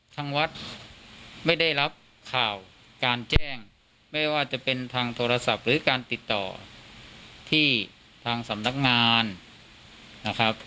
ทางวัดไม่ได้รับข่าวการแจ้งไม่ว่าจะเป็นทางโทรศัพท์หรือการติดต่อที่ทางสำนักงานนะครับ